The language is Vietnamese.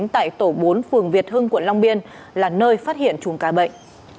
tại tổ bốn phường việt hưng quận long biên là nơi phát hiện chùm ca bệnh